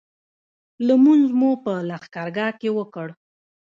لمونځ مو په لښکرګاه کې وکړ.